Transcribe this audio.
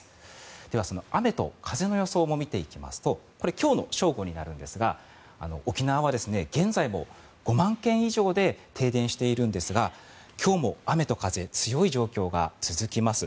では、その雨と風の予想も見ていきますとこれ、今日の正午になりますが沖縄は現在も５万軒以上で停電しているんですが今日も雨と風、強い状況が続きます。